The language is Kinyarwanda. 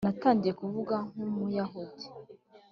natangiye kuvuga nk'umuyahudi.